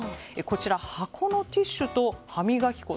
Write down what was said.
こちら、箱のティッシュと歯磨き粉